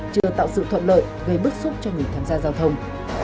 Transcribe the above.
chưa tạo sự thuận lợi gây bức xúc cho người tham gia giao thông